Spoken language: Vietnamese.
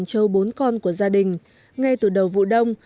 đàn châu bốn con của gia đình ngay từ đầu vụ đông